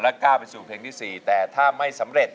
ก้าวไปสู่เพลงที่๔แต่ถ้าไม่สำเร็จ